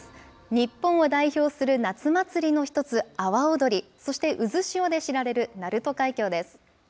日本を代表する夏祭りの一つ、阿波おどり、そして渦潮で知られる鳴門海峡です。